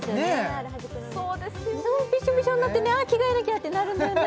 あれはじくのねびしょびしょになってね着替えなきゃってなるんだよね